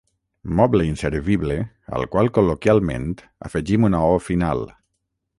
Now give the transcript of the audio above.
Moble inservible al qual col·loquialment afegim una o final.